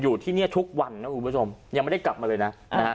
อยู่ที่นี่ทุกวันนะคุณผู้ชมยังไม่ได้กลับมาเลยนะนะฮะ